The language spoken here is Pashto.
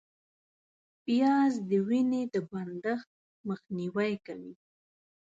پیاز د وینې د بندښت مخنیوی کوي